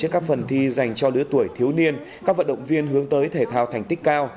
các phần thi dành cho lứa tuổi thiếu niên các vận động viên hướng tới thể thao thành tích cao